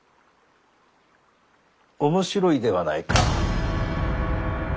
面白いではないか。